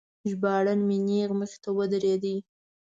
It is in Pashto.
ژباړن مې نیغ مخې ته ودرید.